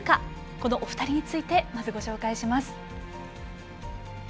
このお二人についてまずご紹介します。